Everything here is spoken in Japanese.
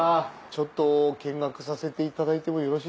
ちょっと見学させていただいてもよろしいでしょうか？